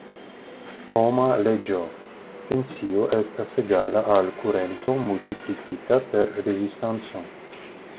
Ohma Leĝo: Tensio estas egala al kurento multiplikita per rezistanco.